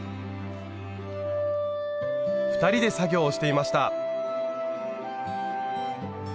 ２人で作業をしていました。